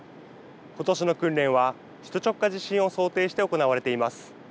ことしの訓練は首都直下地震を想定して行われています。